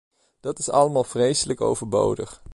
Dat is allemaal vreselijk overbodig.